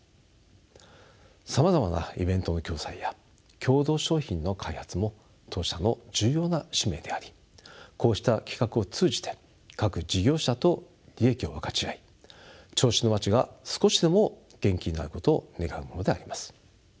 さまざまなイベントの共催や共同商品の開発も当社の重要な使命でありこうした企画を通じて各事業者と利益を分かち合い銚子の街が少しでも元気になることを願うものであります。